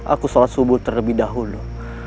aku sholat subuh terlebih dahulu